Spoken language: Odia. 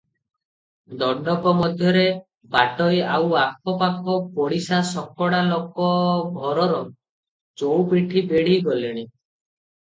ଦଣ୍ଡକ ମଧ୍ୟରେ ବାଟୋଇ, ଆଉ ଆଖ ପାଖ ପଡ଼ିଶା ଶକଡ଼ା ଲୋକ ଘରର ଚଉପିଠି ବେଢ଼ି ଗଲେଣି ।